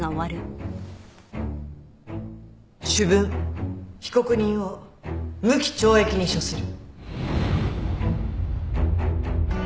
主文被告人を無期懲役に処する。